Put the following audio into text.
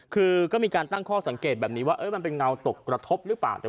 คือก็มีการตั้งข้อสังเกตแบบนี้ว่ามันเป็นเงาตกกระทบหรือเปล่า